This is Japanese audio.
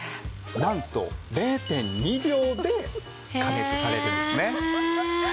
なんと０．２秒で加熱されてるんですね。